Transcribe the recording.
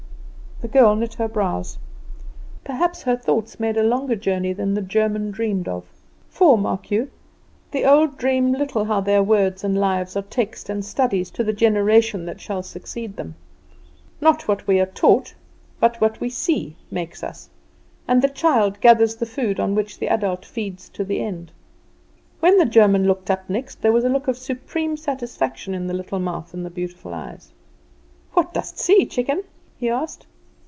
The girl knit her brows. Perhaps her thoughts made a longer journey than the German dreamed of; for, mark you, the old dream little how their words and lives are texts and studies to the generation that shall succeed them. Not what we are taught, but what we see, makes us, and the child gathers the food on which the adult feeds to the end. When the German looked up next there was a look of supreme satisfaction in the little mouth and the beautiful eyes. "What dost see, chicken?" he asked.